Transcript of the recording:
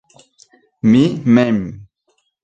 Mi mem.